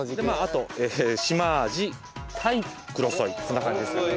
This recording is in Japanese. あとシマアジタイクロソイそんな感じですね。